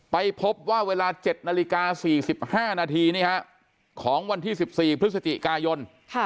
ไปพบว่าเวลา๗นาฬิกา๔๕นาทีของวันที่๑๔พฤศจิกายน